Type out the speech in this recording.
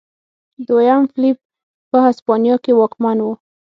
دویم فلیپ په هسپانیا کې واکمن و.